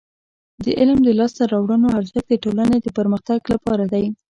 د علم د لاسته راوړنو ارزښت د ټولنې د پرمختګ لپاره دی.